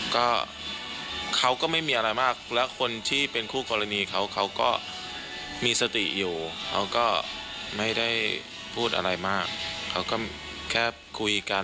ก็เขาก็ไม่มีอะไรมากแล้วคนที่เป็นคู่กรณีเขาเขาก็มีสติอยู่เขาก็ไม่ได้พูดอะไรมากเขาก็แค่คุยกัน